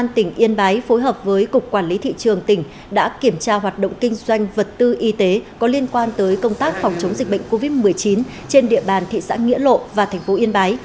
công an tỉnh yên bái phối hợp với cục quản lý thị trường tỉnh đã kiểm tra hoạt động kinh doanh vật tư y tế có liên quan tới công tác phòng chống dịch bệnh covid một mươi chín trên địa bàn thị xã nghĩa lộ và thành phố yên bái